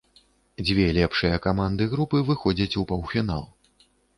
Дзве лепшыя каманды групы выходзяць у паўфінал.